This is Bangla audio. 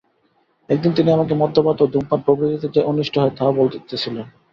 একদিন তিনি আমাকে মদ্যপান ও ধূমপান প্রভৃতিতে যে অনিষ্ট হয়, তাহা বলিতেছিলেন।